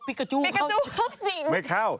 พิกาจูเข้าสิง